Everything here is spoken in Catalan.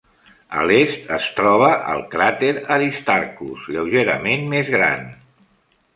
A l'est es troba el cràter Aristarchus lleugerament més gran.